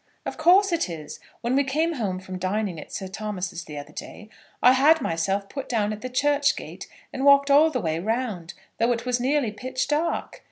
"Of course it is. When we came home from dining at Sir Thomas's the other day, I had myself put down at the church gate, and walked all the way round, though it was nearly pitch dark.